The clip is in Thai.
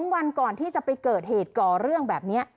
วันก่อนที่จะไปเกิดเหตุก่อเรื่องแบบนี้